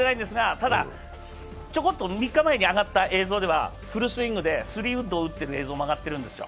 ただ、ちょこっと３日前に上がった映像では、フルスイングでスリーウッドを打ってる映像もあるんですよ。